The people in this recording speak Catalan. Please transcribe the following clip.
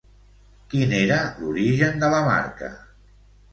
Quin era l'origen de la marca?